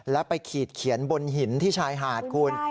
แล้วไปขีดเขียนบนหินที่ชายหาดคุณ